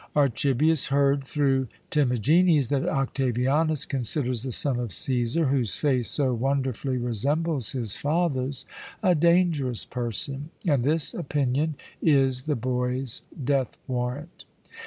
Archibius heard through Timagenes that Octavianus considers the son of Cæsar, whose face so wonderfully resembles his father's, a dangerous person, and this opinion is the boy's death warrant.